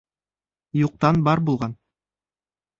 Юҡтан бар булған.